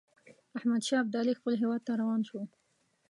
احمدشاه ابدالي خپل هیواد ته روان شو.